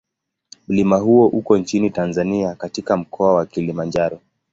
Mlima huo uko nchini Tanzania katika Mkoa wa Kilimanjaro.